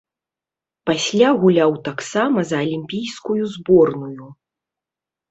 Пасля гуляў таксама за алімпійскую зборную.